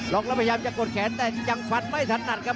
อกแล้วพยายามจะกดแขนแต่ยังฟันไม่ถนัดครับ